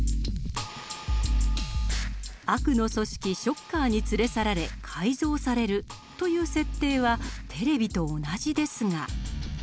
悪の組織ショッカーに連れ去られ改造されるという設定はテレビと同じですが。